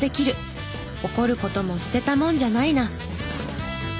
怒る事も捨てたもんじゃないな。